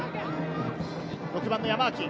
６番の山脇。